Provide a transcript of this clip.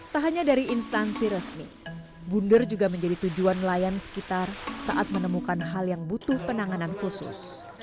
tak hanya dari instansi resmi bunder juga menjadi tujuan nelayan sekitar saat menemukan hal yang butuh penanganan khusus